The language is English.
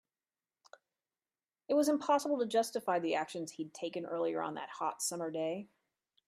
It was impossible to justify the actions he'd taken earlier on that hot, summer day.